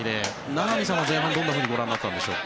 名波さんは前半どんなふうにご覧になったんでしょうか？